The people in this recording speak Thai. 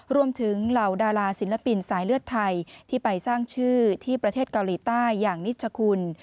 เหล่าดาราศิลปินสายเลือดไทยที่ไปสร้างชื่อที่ประเทศเกาหลีใต้อย่างนิชคุณ